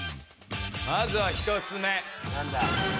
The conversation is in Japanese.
まずは１つ目。